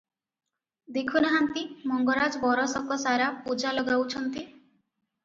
ଦେଖୁ ନାହାନ୍ତି ମଙ୍ଗରାଜ ବରଷକସାରା ପୂଜା ଲଗାଉଛନ୍ତି ।